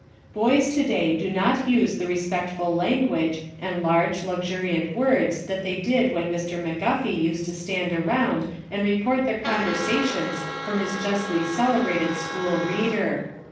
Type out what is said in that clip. Boys to day do not use the respectful language and large, luxuriant words that they did when Mr. McGuffey used to stand around and report their conversations for his justly celebrated school reader.